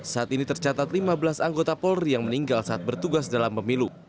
saat ini tercatat lima belas anggota polri yang meninggal saat bertugas dalam pemilu